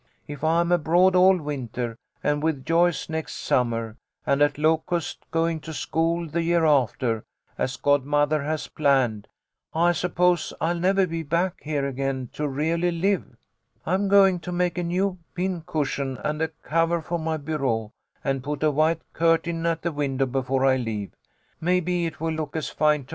If I'm abroad all winter, and with Joyce next summer, and at Locust going to school the year after, as godmother has planned, I suppose I'll never be back here again to really live. I'm going to make a new pincushion and a cover for my bureau, and put a white curtain at the win dow before I leave. Maybe it will look as fine to 78 THE LITTLE COLONEL'S HOLIDAYS.